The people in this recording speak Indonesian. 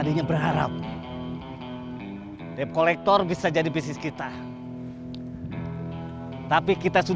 biaya bikin sim gak tau